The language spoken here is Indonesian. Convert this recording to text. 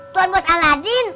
tuan bos aladin